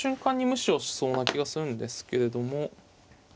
無視をしそうな気がするんですけれども。